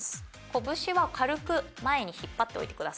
「拳は軽く前に引っ張っておいてください」